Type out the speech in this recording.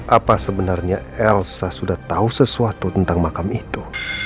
apa sebenarnya elsa sudah tahu sesuatu tentang makam itu